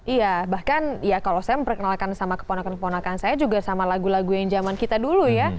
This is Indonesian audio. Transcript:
iya bahkan ya kalau saya memperkenalkan sama keponakan keponakan saya juga sama lagu lagu yang zaman kita dulu ya